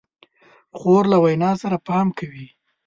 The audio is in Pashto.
خور له وینا سره پام کوي.